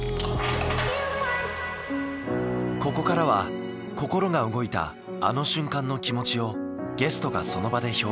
ここからは心が動いたあの瞬間の気持ちをゲストがその場で表現。